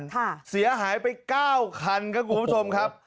ค่ะเสียหายไปเก้าคันครับคุณผู้ชมครับ